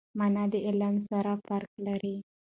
مانا د علم سره فرق لري.